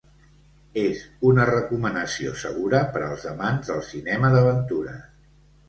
És una recomanació segura per als amants del cinema d'aventures.